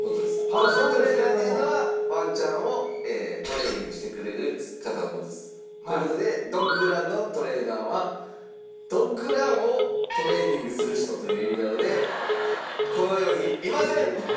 ドッグトレーナーっていうのはワンちゃんをトレーニングしてくれる方の事です。という事でドッグランのトレーナーはドッグランをトレーニングする人という意味なので。